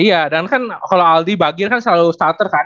iya dan kan kalau aldi bagi kan selalu starter kan